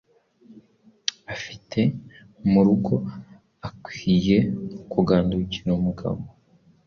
afite, mu rugo akwiye kugandukira umugabo.”